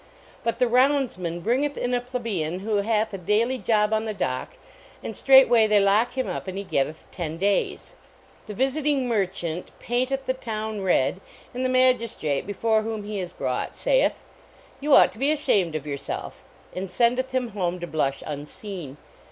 But the rounds man bringeth in a plebeian who hath a daily job on the dock, and straightway they lock him up and he gettcth ten days. The visiting merchant painteth the town red, and the magistrate before whom he is brought sayeth, " You ought to be ashamed of yourself," and sendeth him home to blush unseen.